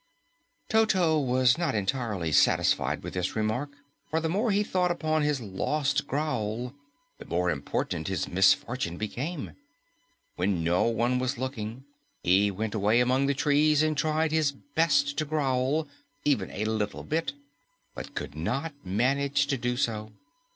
Toto was not entirely satisfied with this remark, for the more he thought upon his lost growl, the more important his misfortune became. When no one was looking, he went away among the trees and tried his best to growl even a little bit but could not manage to do so.